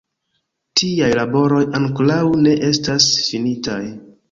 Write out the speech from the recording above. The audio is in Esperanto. Tiaj laboroj ankoraŭ ne estas finitaj.